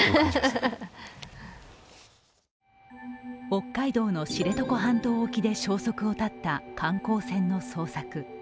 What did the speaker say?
北海道の知床半島沖で消息を絶った観光船の捜索。